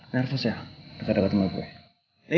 nervous ya dekat dekat sama gue